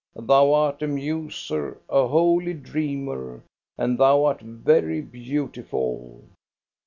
Thou art a muser, a holy dreamer, and thou art very beautiful.